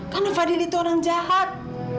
karena fadil itu orang jahat